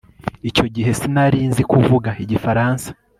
icyo gihe sinari nzi kuvuga igifaransa